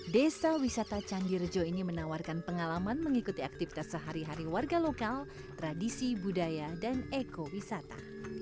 desa wisata candi rejo ini menawarkan pengalaman mengikuti aktivitas sehari hari warga lokal tradisi budaya dan ekowisata